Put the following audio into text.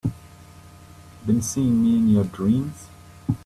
Been seeing me in your dreams?